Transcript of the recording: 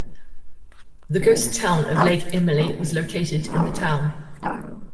The ghost town of Lake Emily was located in the town.